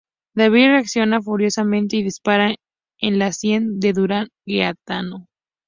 David reacciona furiosamente y dispara en la sien de Durán Gaetano.